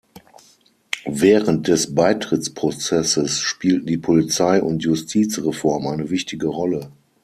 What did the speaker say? Während des Beitrittsprozesses spielten die Polizei- und Justizreform eine wichtige Rolle.